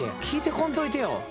聞いてこんといてよ。